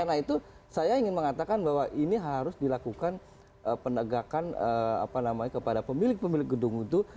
nah itu saya ingin mengatakan bahwa ini harus dilakukan penegakan kepada pemilik pemilik gedung itu